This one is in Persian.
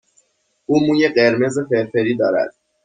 او موی قرمز فرفری دارد.